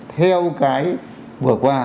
theo cái vừa qua